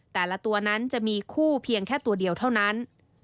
แต่ละตัวนั้นจะมีคู่เพียงแค่ตัวเดียวเท่านั้น